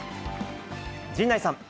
陣内さん。